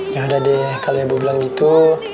ya udah deh kalau ibu bilang gitu